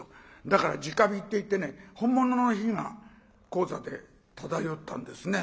だからじか火っていって本物の火が高座で漂ったんですね。